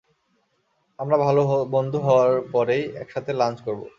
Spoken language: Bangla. আমরা ভাল বন্ধু হওয়ার পরেই একসাথে লাঞ্চ করব!